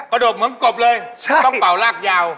ป่าดกเหมือนกบเลยต้องป่าวรากยาวใช่